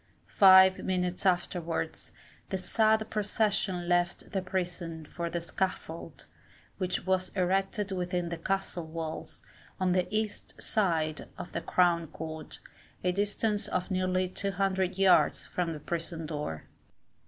Five minutes afterwards, the sad procession left the prison for the scaffold, which was erected within the castle walls, on the east side of the Crown Court, a distance of nearly 200 yards from the prison door.